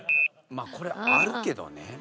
まあこれあるけどね。